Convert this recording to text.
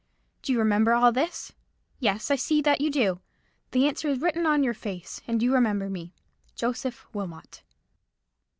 Do you remember all this? Yes, I see you do—the answer is written on your face; and you remember me—Joseph Wilmot."